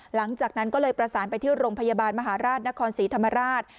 หลังจากนั้นก็เลยประสานไปที่โรงพยาบาลมหาราชนครศรีธรรมราช